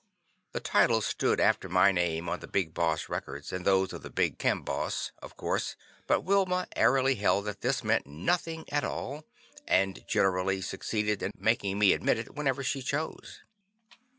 The title stood after my name on the Big Boss' records, and those of the Big Camboss, of course, but Wilma airily held that this meant nothing at all and generally succeeded in making me admit it whenever she chose.